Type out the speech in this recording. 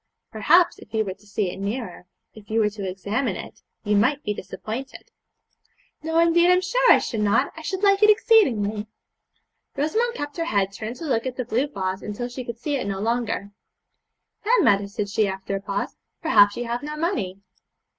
'Perhaps, if you were to see it nearer, if you were to examine it, you might be disappointed.' 'No, indeed, I'm sure I should not; I should like it exceedingly.' Rosamond kept her head turned to look at the blue vase till she could see it no longer. 'Then, mother,' said she, after a pause, 'perhaps you have no money.'